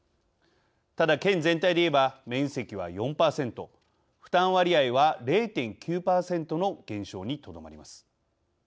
ただ、県全体でいえば面積は４％負担割合は０．９％の減少にとどまります。